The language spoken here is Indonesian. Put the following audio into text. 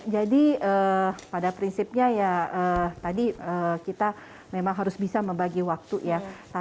jadi pada prinsipnya ya tadi kita memang harus bisa membagi waktu ya